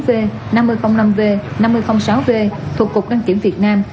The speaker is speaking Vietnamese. năm mươi bốn v năm mươi năm v năm mươi sáu v thuộc cục đăng kiểm việt nam